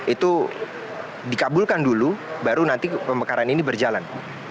itu dikabulkan dulu baru nanti pemekaran ini berjalan